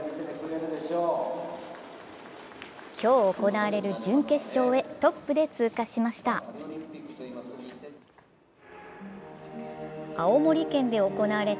今日行われる準決勝へトップで通過しました。